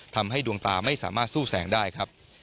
ทำให้ดวงตาไม่สามารถสู้แสงได้ครับ